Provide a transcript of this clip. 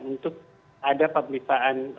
untuk ada pemerintahan